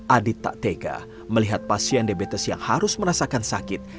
adit tak tega melihat pasien diabetes yang harus merasakan sakit